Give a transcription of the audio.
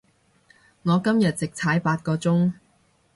我今日直踩八個鐘